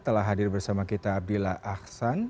telah hadir bersama kita abdillah aksan